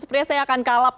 sepertinya saya akan kalap